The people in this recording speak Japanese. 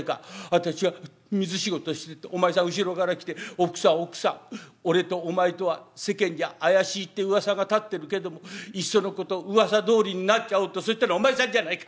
私が水仕事してるとお前さん後ろから来て『お福さんお福さん俺とお前とは世間じゃ怪しいって噂が立ってるけどもいっそのこと噂どおりになっちゃおう』とそう言ったのお前さんじゃないか。